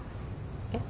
えっ？